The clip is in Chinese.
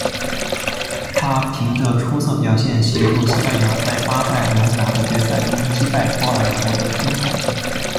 他凭着出色表现协助西班牙在巴塞隆拿的决赛中击败波兰夺得金牌。